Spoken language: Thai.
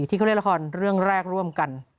ที่เขาเล่นละครเรื่องแรกร่วมกัน